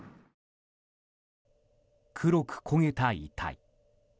黒く焦げた遺体。